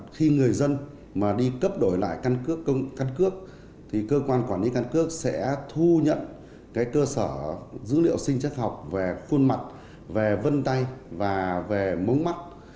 khi người dân mà đi cấp đổi lại căn cước căn cước thì cơ quan quản lý căn cước sẽ thu nhận cơ sở dữ liệu sinh chắc học về khuôn mặt về vân tay và về mống mắt